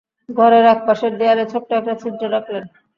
ঘরের একপাশের দেয়ালে ছোট্ট একটা ছিদ্র রাখলেন।